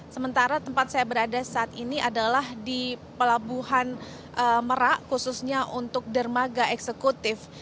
sementara tempat saya berada saat ini adalah di pelabuhan merak khususnya untuk dermaga eksekutif